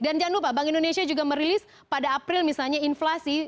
dan jangan lupa bank indonesia juga merilis pada april misalnya inflasi